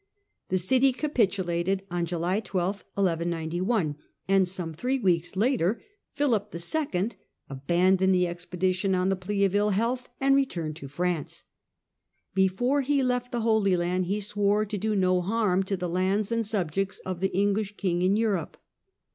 The city capitulated on July 12, 1191, and some three weeks later Philip 11. abandoned the expedition on the plea of ill health, and returned to France. Before he left the Holy Land he swore to do no harm to the lands and subjects of the English king in Europe.